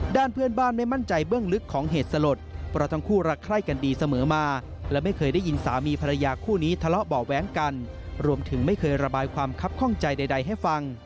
ด้านเพื่อนบ้านไม่มั่นใจเบื้องลึกของเหตุสลดเพราะทั้งคู่รักใคร่กันดีเสมอมาและไม่เคยได้ยินสามีภรรยาคู่นี้ทะเลาะเบาะแว้งกันรวมถึงไม่เคยระบายความคับข้องใจใดให้ฟัง